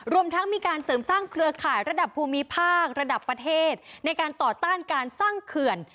รวมทั้งมีการเสริมสร้างเครือข่ายระดับภูมิภาคระดับประเทศในการต่อต้านการสร้างเขื่อน